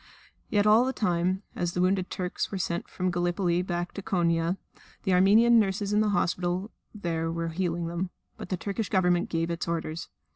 Yet all the time, as the wounded Turks were sent from the Gallipoli front back to Konia, the Armenian nurses in the hospital there were healing them. But the Turkish Government gave its orders.